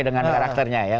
dengan karakternya ya